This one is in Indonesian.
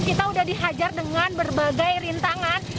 kita sudah dihajar dengan berbagai rintangan